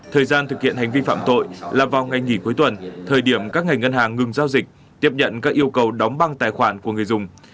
thời gian thực hiện hành vi phạm tội là vào ngày nghỉ cuối tuần thời điểm các ngày ngân hàng ngừng giao dịch tiếp nhận các yêu cầu đóng băng tài khoản của người dùng